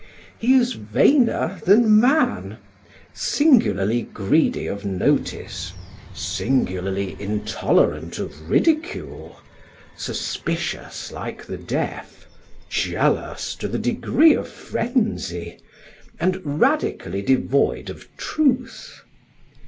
He is vainer than man, singularly greedy of notice, singularly intolerant of ridicule, suspicious like the deaf, jealous to the degree of frenzy, and radically devoid of truth.